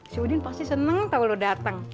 si udin pasti seneng tau lo datang